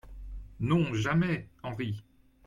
Non, jamais ! HENRI.